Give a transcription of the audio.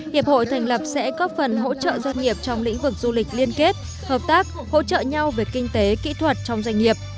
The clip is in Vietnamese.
hiệp hội thành lập sẽ có phần hỗ trợ doanh nghiệp trong lĩnh vực du lịch liên kết hợp tác hỗ trợ nhau về kinh tế kỹ thuật trong doanh nghiệp